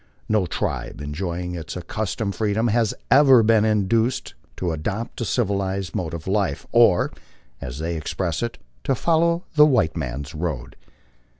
No tribe enjoying its accustomed freedom has ever been induced to adopt a civilized mode of life, or, as they express it, to follow the white man's road.